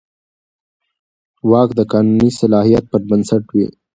واک د قانوني صلاحیت پر بنسټ وي.